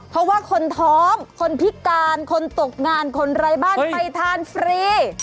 เพราะว่าคนท้องคนพิการคนตกงานคนไร้บ้านไปทานฟรี